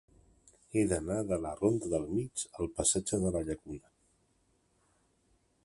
He d'anar de la ronda del Mig al passatge de la Llacuna.